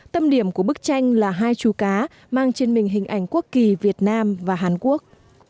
tâm điểm của bức tranh là hai chú cá mang trên mình hình ảnh quốc kỳ việt nam và hàn quốc